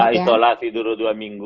isolasi dulu dua minggu